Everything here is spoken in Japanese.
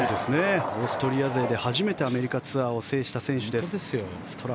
オーストリア勢で初めてアメリカツアーを制した選手です。